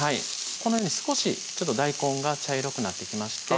このように少し大根が茶色くなってきまして